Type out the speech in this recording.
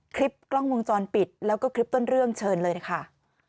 คลิปกล้องวงจรปิดแล้วก็คลิปต้นเรื่องเชิญเลยนะคะ